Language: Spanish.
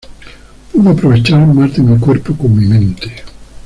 Puedo aprovechar más de mi cuerpo con mi mente.